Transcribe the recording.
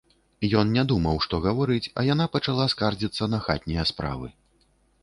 Ён не думаў, што гаворыць, а яна пачала скардзіцца на хатнія справы.